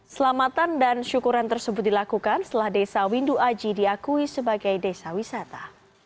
selamatan dan syukuran tersebut dilakukan setelah desa windu aji diakui sebagai desa wisata